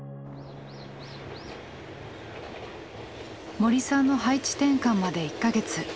森さんの配置転換まで１か月。